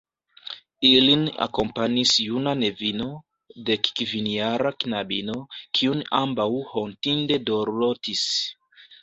Ilin akompanis juna nevino, dekkvinjara knabino, kiun ambaŭ hontinde dorlotis.